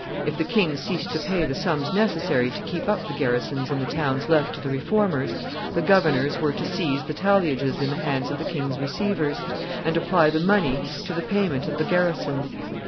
... If the king ceased to pay the sums necessary to keep up the garrisons in the towns left to the Reformers, the governors were to seize the talliages in the hands of the king's receivers, and apply the money to the payment of the garrisons.